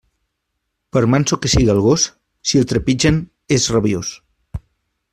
Per manso que siga el gos, si el trepitgen, és rabiós.